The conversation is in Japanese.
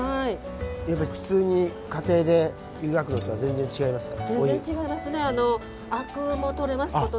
やっぱり普通に家庭で湯がくのとは全然違いますか？